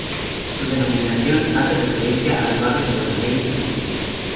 Su denominación hace referencia al barrio de los Remedios, en Sevilla.